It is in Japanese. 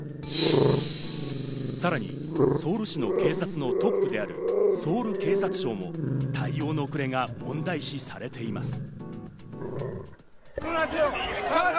さらにソウル市の警察のトップであるソウル警察庁も対応の遅れが問題視されています。